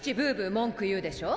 文句言うでしょ？